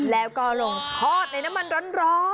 แล้วก็ลงทอดในน้ำมันร้อน